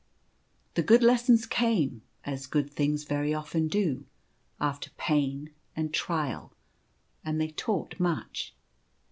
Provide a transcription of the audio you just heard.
The good lessons came — as good things very often do — after pain and trial, and they taught much.